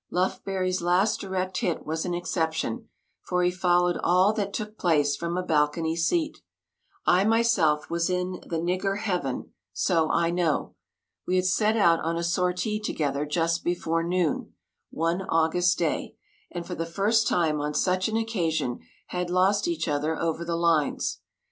Lufbery's last direct hit was an exception, for he followed all that took place from a balcony seat. I myself was in the "nigger heaven," so I know. We had set out on a sortie together just before noon, one August day, and for the first time on such an occasion had lost each other over the lines.